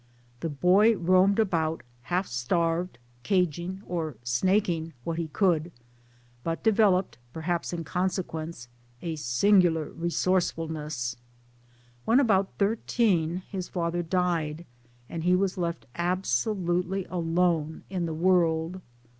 The boy roamed about, half starved, cadging or * snaking ' what he could but developed, perhaps in consequence, a singular resourcefulness. >When about thirteen his father died, and he was left absolutely alone in the world.